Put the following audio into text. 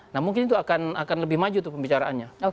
nah mungkin itu akan lebih maju tuh pembicaraannya